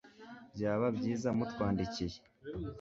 byaba byiza mutwandikiye